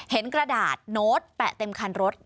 กระดาษโน้ตแปะเต็มคันรถ